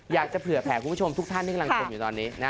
อยากจะเผื่อแผ่คุณผู้ชมทุกท่านที่กำลังชมอยู่ตอนนี้นะ